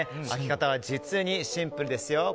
開け方は実にシンプルですよ。